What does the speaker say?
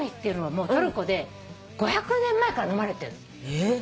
えっ！？